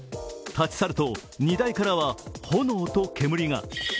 立ち去ると荷台からは炎と煙が。